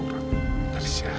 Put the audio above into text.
surat dari siapa ya